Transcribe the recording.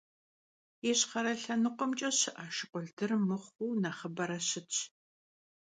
Yişxhere lhenıkhuemç'e şı'e şşıkhuldır mıxhuu nexhıbere şıtş.